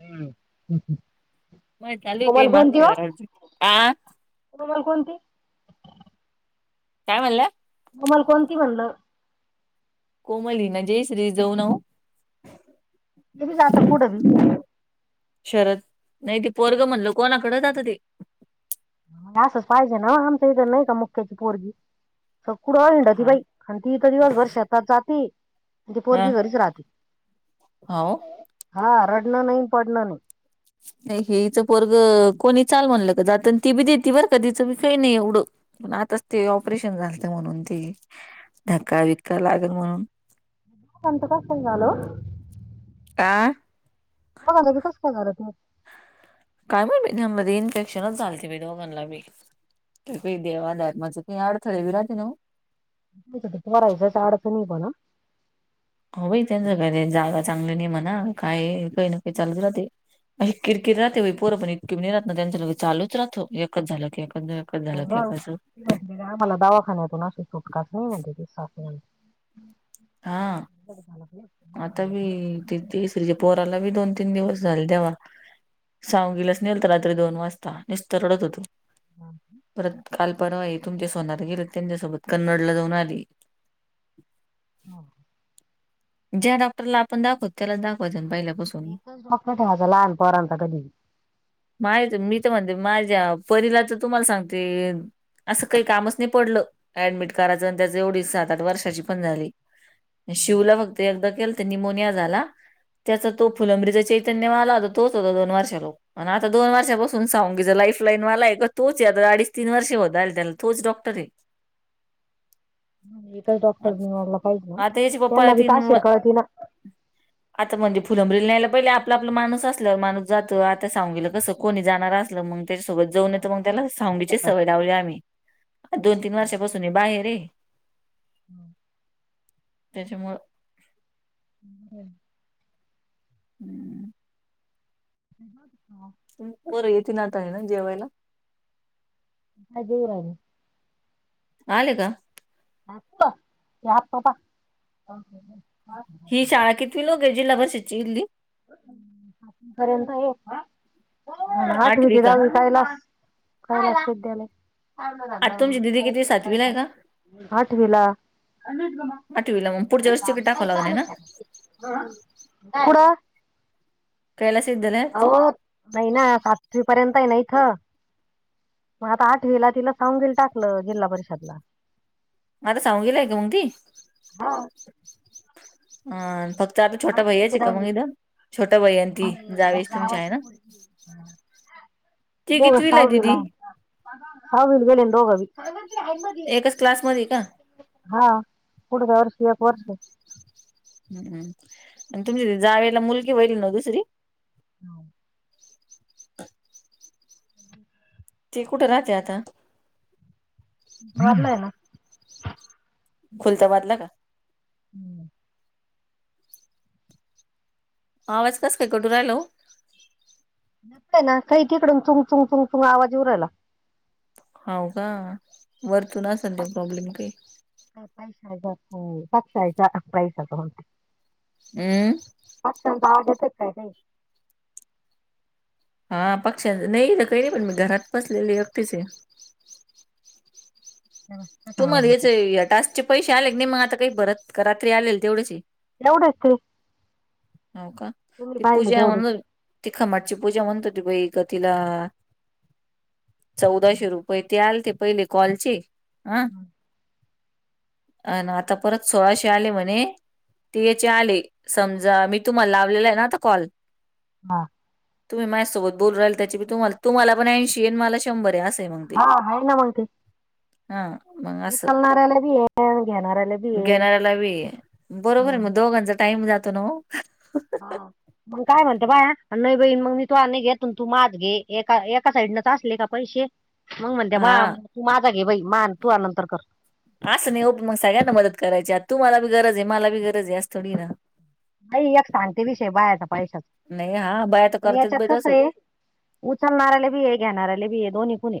हम्म. माय चालू काय मागच्या [unintelligible] आ. तुम्हाल कोणती? काय म्हणल्या? तम्हाला कोणती म्हणलं. कोमलीना जयश्री जाऊन वो. तेभी जात कुठं भी. शरद नाही ती पोरग म्हणलं कोणाकडेच आता ते असच पाहिजे ना आमचं इथं नाही का मुख्याची पोरगी सगकडं ऐंड होती हा बाई आणि ती इथ दिवसभर शेतात जाती म्हणे हा पोरगी घरीच राहते हो हा रडणं नाही पडणं नाही हे हचं पोरगं कोणी चाल म्हणलं का जात ती बी देतती बरं का तिचं बी काही नाही एवढं पण आताच ते ऑपरेशन झालते म्हणून ते धक्का बिक्का लागल म्हणून [inaudible] त कस झालो आ बघाला की कस काय करात काय म्हण हमध्ये इन्फेक्शनच झालंते दोघांना बी ते काही देवा धर्माचं काही अडथळे ब राहते ना रायच टाडच नाही बण ह बाई त्यांच काही जागा चांगली नाही म्हणा काही काही न काही चालत राहते किरकीर राहते वई पोर पण इतकी म राहात ना त्यांच्या ल चालूच राहो एकच झालं की एकच झा म्हण का मला दवाखान्या य तो नाशी सुटकाच नाही म्हणजे ती सास म्ह हा तिसरी पोराला बी दोन तीन दिवस झाले तेव्हा सावगिलाच नेल तर रात्री दोन वाजता निस्त रडत होतो [unintelligible] परत काल परवा हे तुमचे सोनार गेले त्यांच्यासोबत कन्नड ला जाऊन आली. [inaudible] ज्या डॉक्टरला आपण दाखवत त्याला दाखवायचं पहिल्यापासून [inaudible] ठेवायचं लहान पोरांचा कधी माहित मी तर म्हणते माझ्या परीला तर तुम्हाला सांगते असं काही कामच नाही पडलं ऍडमिट करायचं आणि त्याच एवढी सात आठ वर्षाची पण झाली शिवला फक्त एकदा केलं तर निमोनिया झाला त्याचा तो फुलंब्रीचां चैतन्य आला होता तो होता दोन वर्षा लोक मण आता दोन वर्षापासून सांगी ज लाईफ लाईन मला आहे का तोच या तर अडीच तीन वर्ष होतले त्याला तो डॉक्टर ए डॉक्टर आ- निवारला पाहिजे ना आता याचे पप्पा त्यांना बी तीन व- अक्षर कळती ना [unintelligible] आता म्हणजे फुलंब्रील न्यायला पहिले आपला आपला माणूस असला माणूस जात आता सहावीला कसं. कोणी जाणार असलं मग त्याच्यासोबत जाऊनयाच मग त्याला [unintelligible] सवय लावली आम्ही दोन तीन वर्षापासून हे बाहेर आहे. त्याच्यामुळ हम् [unintelligible] हा. पोरं येतील आता आहे ना जेवायला. हा जेऊ राहिले. आले का? [unintelligible] ही शाळा किती लोक आहेत जिल्हा परिषदच्या इथली सातवी पर्यंत आहे. आठवी ते दहावी कायला काय लागतंय त्याला? आता तुमची दिदी कितवी सातवीला आहे का? [unintelligible] आठवीला. [unintelligible] आठवीला मग पुढच्या वर्षी तिकडे टाकावं लागणार आहे ना पुढं केला सिंदने आओ [unintelligible] सातवी पर्यंत आहे ना इथं. मग आता आठवीला तिला [unintelligible] टाकलं जिल्हा परिषदला. मग आता सहावी ला आहे का मग ती? हं फक्त आता छोटा भय्या आहे ते कमवित. छोट्या भय्या आणि ती जावेची तुमच्या आहे ना? ती कितवीला आहे दीदी. सहावीत गेली दोघबी. एकाच क्लासमध्ये हाय का. हा पुढच्या वर्षी एक वर्ष. हम्मम् आणि तुमची जावेला मुलगी होईल ना दुसरी? ह ते कुठं राहते आता? [unintelligible] [unintelligible] हम्म. आवाज कसं काय कट होऊ राहिला वो. न ना काही तिकडून चुन चुंग चुंग चुंग आवाज येवू राहिला. हाव का? वरतून आसल प्रॉब्लेम काही. पैस ह पक्ष आयता पैसता होतेते हमं आता आवाज येतोय काय नाही हा पक्षां नाही काही नाही पण मी घरात बसलेले एकटीच आहे तू कसा म्हणाला आवाज येतो याचे टास्क चे पैसे आले का नाही म आता काही परत का रात्री आलेल तेवढेच ये एवढेच ते. हो का. तुम्ही ती पाहिले पूजा तेवढेच म्हण ती कमाटची पूजा म्हणत होती वैग तिला. चौदाशे रुपये ते आले ते पहिले कॉलचे हं. आणि आता परत सोळाशे आले म्हणे. ती याचे आले. समजा मी तुम्हाला लावलेला आहे ना आता कॉल. हा तुम्ही माझ्यासोबत बोल राहिल त्याची तुम्हाला तुम्हाला पण ऐंशी मला शंभर आहे असं आहे मग ते. हा आहे हा मग असं उचालणाऱ्याला बी हे घेणाऱ्याला बी बरोबर आहे मग दोघांचा टाइम जातो ना वो? [inaudible] मग काय म्हणतो बाया नाही बई मग मी तू नाही घेत त तू माज घे एका एका साईड नच असले का पैसे. मग म्हणते्या म हा तू माझा घे बाई मा तू आ नंतर कर. असं नाही उप सगळ्या ना मदत करायची आता तूम्हाला गरज आहे मला भी गरज आहे आज थोडी ना नाही एक शांत विषय बाहेर घ्या पैशाच नाही हा बाया तर पण करतात याच्यात बाई कस तसं आहे उचलणारले बी हे घेणार आ बी आहे दोन्ही तून हे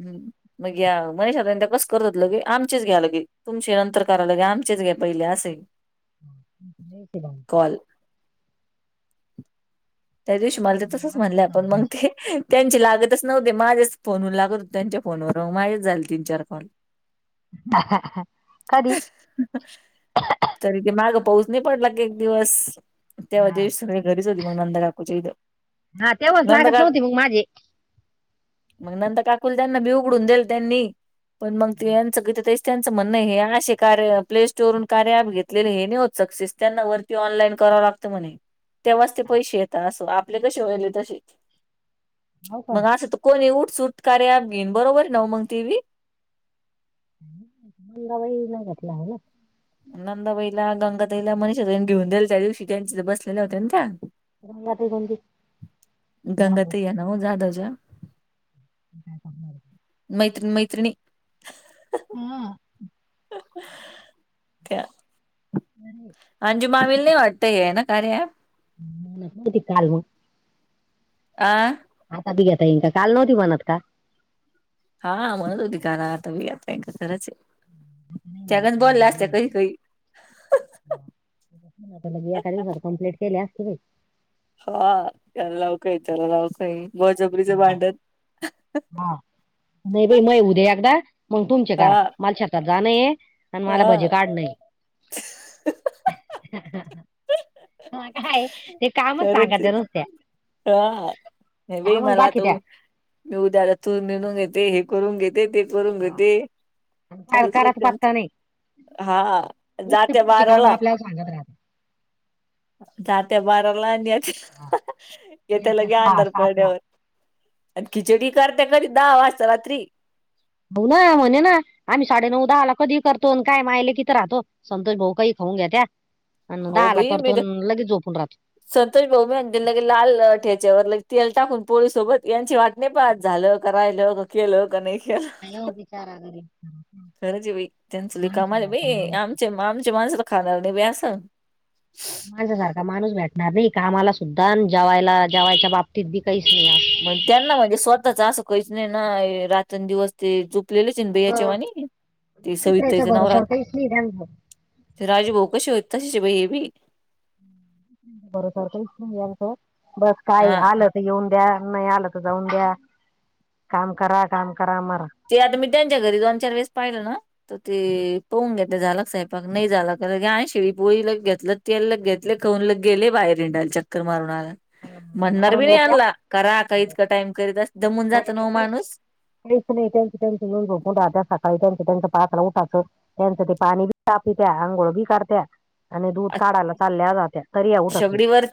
हम्म मग या मनीषा ताई त्या कसं करत हो ल की आमचेच घ्या लगे तुमचे नंतर करायला के आमचेच घ्या पहिले असे क कॉल ब त्या दिवशी मला ते तसंच आमचं म्हणले झालं आपण मग पाहिजे ते त्यांचे लागतच नव्हते माझेच फोनवर लागत होते त्यांच्या फोनवर माझेच झाले तीन चार कॉल ह तरी ते मागं पाऊस नाही पडला की एक दिवस तेव्हा हा ते सगळे घरीच होती म नंदा काकू च्या इथं हा तेव्हाच नंदा लागत काकू नव्हती मग माझे मग नंतर काकू त्यांना मी उघडून देल त्यांनी पण मग यांचं किती ते स त्यांचं म्हणण हे असे कार्य प्ले स्टोर वरून कार्य अँप घेतलेले हे नाही होत सक्सेस त्यांना वर ते ऑनलाईन करावं लागतं म्हणे तेव्हाच ते पैसे य असो आपले कसे वयले तसे, हो का मग असं त कोणी उठ सुट कार्या अॅप घेईन बरोबर न मग ते भी मंगाबाई न घेतला आहे ना? नंदाबाईला, गंगाताईला, मनीषा ताई घेऊन दिले त्या दिवशी त्यांचे बसलेल्या होते त्या गंगाताई बोलली घ्या बाई नव जाधवच्या करणार? मैत्रीण -मैत्रिणी हा त्या नाही अंजु मामील नाही वाटतय हे ना कार्य ऍप ती कालव आ आता बी घेता इन, काल नव्हती म्हनत का? हा म्हणत होती गाणार आतायातायक खरच आहे नाही म्हणे त्यागण बोलल्या आयडिया नाही असलं म्हणे. कही काही 'एका दिवसात कंप्लीट केली असतं मी हा त्याला लाव कायं आहे, त्याला लावकय आहे बळजबरीचा हा, भांड्यात. हा नाही बाई मय उद्या एकदाचं, पण तुमच्या दारात, हा मला शेतात जाणय अण मला भजी हा. काढ नाही. ह ह काय ते कामच सांगा त्या नुसत्या. ह नाही बाई, कामच मला बाकी त त्या मी उद्या त निदूंन घेते, हे करून घेते ते ते हा, घेते आणि काय चालूच राहत करायचं पत्ता त्यांचं नाही हा नुसते जात्या पुढचे काम बाराला आपल्याला सांगत राहते. जात्या बाराला आणि हा. येत्या येत्या लगे सहा अंधार सातला पडल्यावर आणि खिचडी करते कधी दहा वाजता रात्री हो ना म्हणे ना आम्ही साडे नऊ - दहाला कधी करतो काय माय लेकी त राहतो संतोष भाऊ काही खाऊन घेत्यात, अन् दहा हो आला बाई करतो मी अन् लगेच झोपून राहतो. संतोष भाऊम त्यां लगे लाल ठेच्यावर लग तेल टाकून पोळी सोबत यांची वाट नाही पात झालं का राहिल का केलं का नाही केलं काय ओ बिचारा गरीब खरंज आहे बाई त्यांच ल कामाले माणसासारखा बाई, माणूस आमचे आमचे माणूस खाणार नाही बाई अस. माणसासारखा माणूस भेटणार नाही कामाला सुद्धा, जेवायला जेवायच्या बाबतीत, बी काहीच नाही. म्हण त्यांनवं स्वतःच, असं कहीच नाही रातनं दिवस. ते चुकलेललं चिनबैयाच्यावाणी ते, दुसऱ्याच्या सविताईचं नावरा भरोश्यावर काहीच नाही त्यांचं राजूभाऊ कशी होते, तशीचं बाई, हे बी बर सर का [unintelligible] याल सर बस काय हा आलं येऊन द्या नाही आलं तर, जाऊन द्या काम करा काम करा मरा जे आता मी त्यांच्या घरी जाऊन, चार वेळस पाहिलं ना. त ते पाहून घेते झालं, साइपाक नाही झालं नाही झाला की लगे घेतली शिळी पोळी लगे घेतलं तेला घेतले खन लग गेले कवळत गेलेत, बाहेरिंडायला चक्कर मारून आला. म्हणणार बी मारून नाही, येत्या यानला करा काइतका टाइम करीत अस दमून जात ना व माणूस. नाही तुम्ही त्या येऊन झोपून राहता, सकाळी त्यांच त्यांच उठाचं त्यांचं ते पाणी बी तापीवत्यात आंघोळ बी करत्यात अमी दूध काढायला चालल्या जात्या तरी, यां उठत नाही. शेगडीवर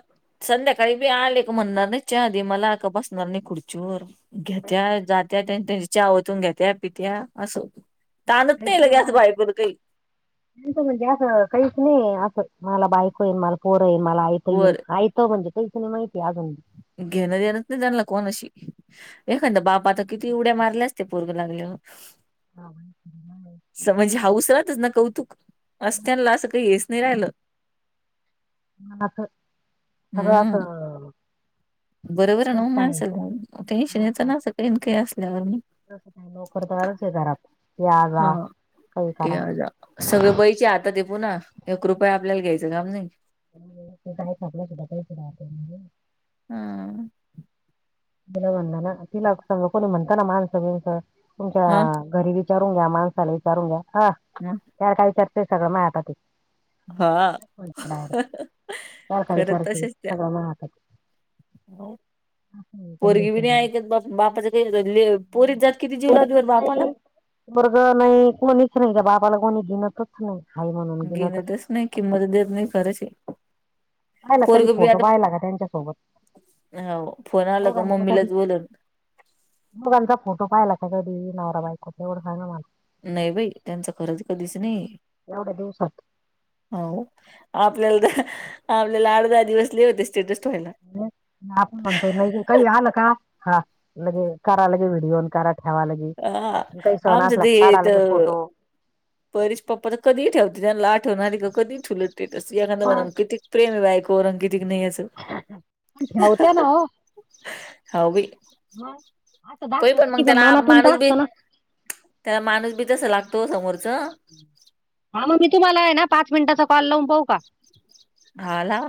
संध्याकाळी बी आले का, म्हणणार नाही चहा दे, मला का बसणार नाही खुर्चीवर. घेत्या जात्या त्यांच्यात्या चा वतून घेत्या, पित्या असं होतं. काहीच नाहीव [unintelligible] मी तर असं काहीच नाही, असंचं मला बायको, हाय, मला पोरं येईन मला. काही वर माहिती [unintelligible] घेणं देणत्यांला, नहाय कोणाशी एखांत बापा आता किती, उड्या मारल्या असत्या पोरग लागल्यावर. हा [unintelligible] त म्हणजे हाऊस ना, ताणला कौतुक असत्यांला काही येच नाही राहिलं. असं सगळं हम्म असलं मः बरोबर आहे ना माणसंचं टेन्शनचं येतना असं, काही काही असल्यावर म. नाही नोकरदारच हेय घरात तें आ जाा हा काही करा [unintelligible] या जा सगळं बाईचा हातात पुन्हा, एक रुपया आपल्याला घ्यायचं काम नाही. काही आपल्या सुद्धा काहीड म्हे [unintelligible] हं हः तिला ब ना तिला समज कोणी म्हणत ना माणसभच तुमच्या हा गरीिबी. इचरूग्या मानसाला इचरून घ्या. हम्म त्यार काही चर्चे आहे, सगळं माजां हातात हा हाय. ण कारखन खरं करते तसेच त्या सगळं मा हातात. हो आहे. पोरगी बीरी कंडिशन नाही ऐकत बा बापाच. काही पोरीचीं जात किती जात किती, जीव पोरगी लावतेर बापाला. नाही वर्ग नाही कोुणा इच नाही का बापाला कोणी दिनच. हा म [unintelligible] गे नाही तेच नाही किंमत, देत नाही खरेच. पाहिला कधी पोरगी उभी फोटो आता, पाहिला का त्यांच्यासोबत फोन आला त का, मम्मीलाच बोलून.. दोघाचा फोटो पाहिला का, कधी नवरा बाईको सांमाण. नाही बाई त्यांचं, खरंच कधीच नाही एवढ्या दिवसात हो आपल्याला तर, आपल्याला अर्धा दिवसले लिव दिसतं स्ट व्हायला. आपण म्हणतो नाही काही आलं का, हा लगे करा लगे व्हिडिओन करा. काढलाय घे हा काही, सहण आमचं असला काढालागे फोटो. पररीश पप्पा तर, कधी इचरत ताणला ताणलात्यांला आठवणं आली, त्याला ठेवणारी असं एखादा कीि ते प्रेम बाईक औरंकितिक नाहीचं. पण ठेवत्या ना हो. हाव बाई असं पई दाखवत पण की मग त्याला मानातंत माणूस बी असतो ना. त्याला माणूस बी तस लागतो समोरच. हा मग मी तुम्हाला आहे ना पाच मिनिटाचा कॉल लावून पाहू का? हाला